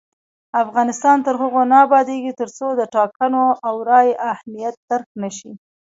افغانستان تر هغو نه ابادیږي، ترڅو د ټاکنو او رایې اهمیت درک نشي.